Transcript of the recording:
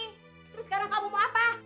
terus sekarang kamu mau apa